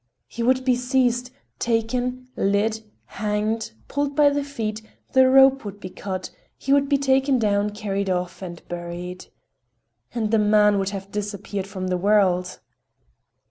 He would be seized, taken, led, hanged, pulled by the feet, the rope would be cut, he would be taken down, carried off and buried. And the man would have disappeared from the world.